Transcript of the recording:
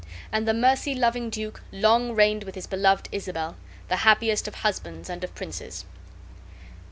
And the mercy loving duke long reigned with his beloved Isabel, the happiest of husbands and of princes.